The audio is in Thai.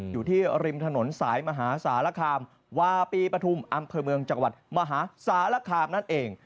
อยู่ที่ริมถนนสายมหาสารคามวาปีปฐุมอำเภอเมืองจังหวัดมหาสารคามนั่นเอง